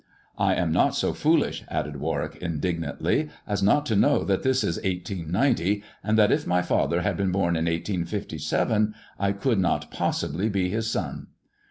I am not so foolish," added Warwick indignantly, " as not to know that this is 1890, and that if my father had been born in 1857 I could not possibly be his son."